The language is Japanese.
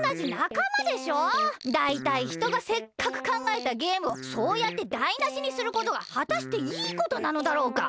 だいたいひとがせっかくかんがえたゲームをそうやってだいなしにすることがはたしていいことなのだろうか？